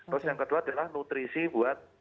terus yang kedua adalah nutrisi buat